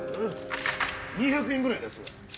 ２００円ぐらいですわ。